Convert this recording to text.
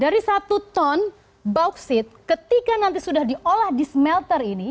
dari satu ton bauksit ketika nanti sudah diolah di smelter ini